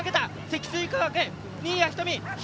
積水化学・新谷仁美。